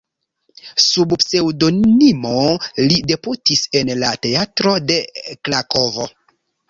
Sub pseŭdonimo li debutis en la teatro de Krakovo.